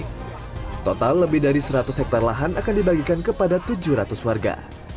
total lebih dari seratus hektare lahan akan dibagikan kepada tujuh ratus warga